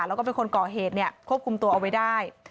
แล้วก็เป็นคนก่อเหตุเนี่ยควบคุมตัวเอาไว้ได้